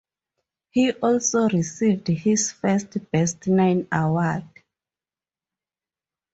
He also received his first Best Nine Award.